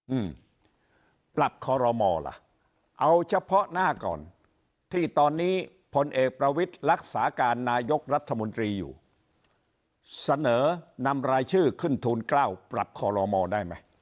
อืมปรับคอรมอล่ะเอาเฉพาะหน้าก่อนที่ตอนนี้พลเอกประวิทย์รักษาการนายกรัฐมนตรีอยู่เสนอนำรายชื่อขึ้นทูลเกล้าปรับคอลโลมอได้ไหม